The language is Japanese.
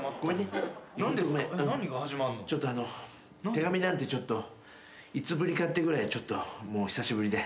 手紙なんてちょっといつぶりかってぐらいちょっともう久しぶりで。